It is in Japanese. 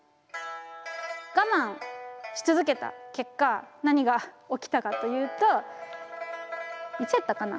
我慢し続けた結果何が起きたかというといつやったかな？